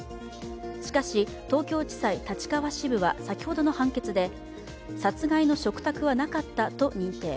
しかし、東京地裁立川支部は、先ほどの判決で殺害の嘱託はなかったと認定。